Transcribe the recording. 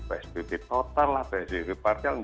psbb total lah psbb partial